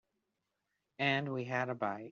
And we had a bite.